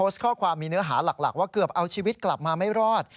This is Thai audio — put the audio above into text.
ข้อความมีเนื้อหาหลักว่าเกือบเอาชีวิตกลับมาไม่รอด